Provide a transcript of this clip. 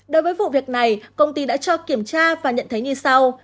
đối với vụ việc này công ty đã cho kiểm tra và nhận thấy như sau